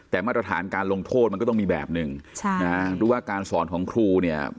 แต่มาตรฐานการลงโทษมันก็ต้องมีแบบนึงดูว่าการสอนของครูเนี่ย